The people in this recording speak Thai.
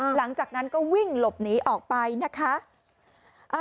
หลังจากนั้นก็วิ่งหลบหนีออกไปนะคะ